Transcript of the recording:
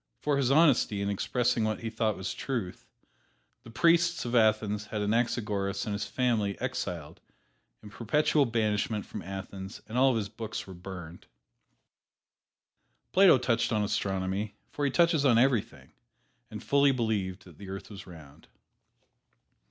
For his honesty in expressing what he thought was truth, the priests of Athens had Anaxagoras and his family exiled to perpetual banishment from Athens and all of his books were burned. Plato touched on Astronomy, for he touches on everything, and fully believed that the earth was round.